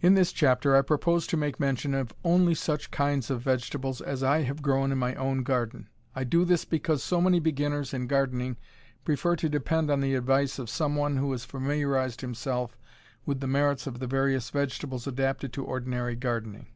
In this chapter I propose to make mention of only such kinds of vegetables as I have grown in my own garden. I do this because so many beginners in gardening prefer to depend on the advice of some one who has familiarized himself with the merits of the various vegetables adapted to ordinary gardening.